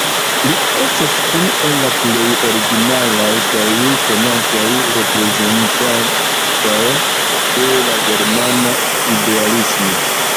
Li estas unu el la plej originalaj kaj konataj reprezentantoj de la germana idealismo.